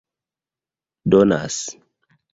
donas